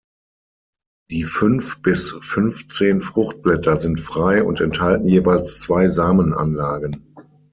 Die fünf bis fünfzehn Fruchtblätter sind frei und enthalten jeweils zwei Samenanlagen.